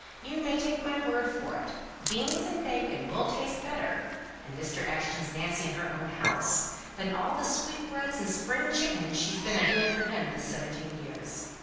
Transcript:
You may take my word for it, beans and bacon will taste better (and Mr. Ashton's Nancy in her own house) than all the sweetbreads and spring chickens she's been a doing for him this seventeen years.